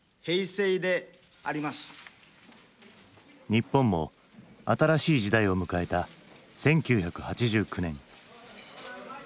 日本も新しい時代を迎えた１９８９年。